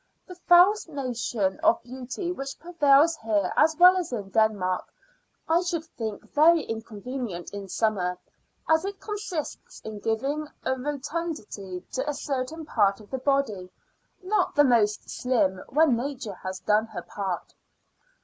The false notion of beauty which prevails here as well as in Denmark, I should think very inconvenient in summer, as it consists in giving a rotundity to a certain part of the body, not the most slim, when Nature has done her part.